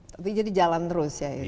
tapi jadi jalan terus ya